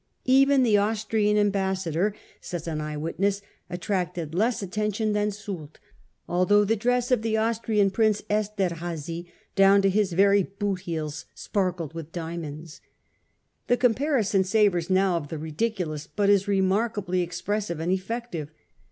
Even the Austrian ambassador, says an 14 A. HIS TORY OP OUR OWN TIMES. ch. i. eyewitness, attracted less attention than Soult, al though the dress of the Austrian, Prince Esterhazy, 1 down to his very boot heels sparkled with dia monds.' The comparison savours now of the ridi culous, hut is remarkably expressive and effective.